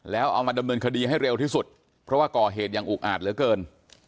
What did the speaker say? แล้วเอามาดำเนินคดีให้เร็วที่สุดเพราะว่าก่อเหตุอย่างอุกอาจเหลือเกิน